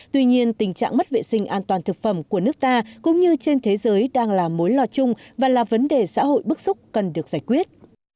tuy nhiên tình trạng mất vệ sinh an toàn thực phẩm của nước ta cũng như trên thế giới đang là mối lo chung và là vấn đề xã hội bức xúc cần được giải quyết